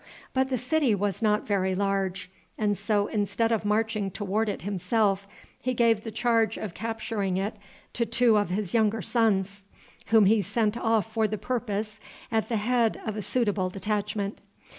But the city was not very large, and so, instead of marching toward it himself, he gave the charge of capturing it to two of his younger sons, whom he sent off for the purpose at the head of a suitable detachment.